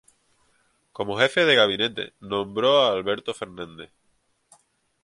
Como Jefe de Gabinete nombró a Alberto Fernández.